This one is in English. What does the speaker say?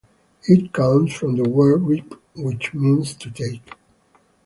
It comes from the word "reap", which means "to take".